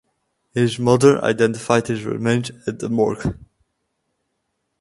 His mother identified his remains at the morgue.